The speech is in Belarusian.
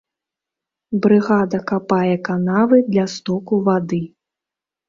Брыгада капае канавы для стоку вады.